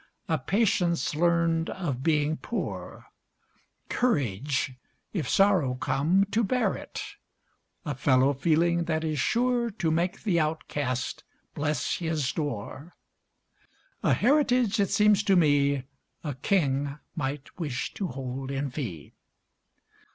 A patience learned of being poor, Courage, if sorrow come, to bear it, A fellow feeling that is sure To make the outcast bless his door; A heritage, it seems to me, A king might wish to hold in fee.